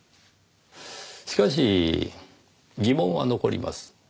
しかし疑問は残ります。